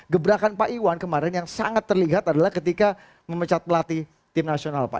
gebrakan pak iwan kemarin yang sangat terlihat adalah ketika memecat pelatih tim nasional pak